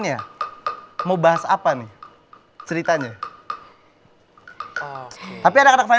tapi ada kalau pertanyaannya saya mau baca aje ceritanya jadi saya dipisahkan sama dokter lho